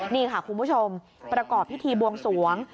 นี่ค่ะคุณผู้ชมประกอบพิธีบวงสวง